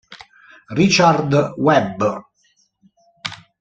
Richard Webb